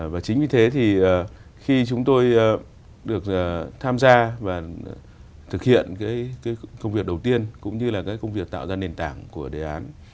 và chính vì thế thì khi chúng tôi được tham gia và thực hiện công việc đầu tiên cũng như là cái công việc tạo ra nền tảng của đề án